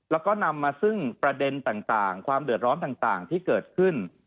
แล้วก็นำมาซึ่งประเด็นต่างความเดือดร้อนต่างที่เกิดขึ้น